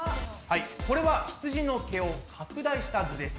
これはひつじの毛を拡大した図です。